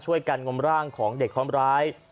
ช่วยกันงมร่างของเด็กคล้อนร้าย